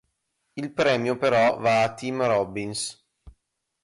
Il premio però va a Tim Robbins.